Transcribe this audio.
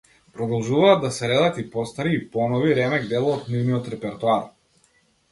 Продолжуваат да се редат и постари и понови ремек дела од нивниот репертоар.